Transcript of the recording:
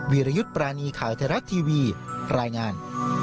วิรยุทธ์ปรานีข่าวไทยรัฐทีวีรายงาน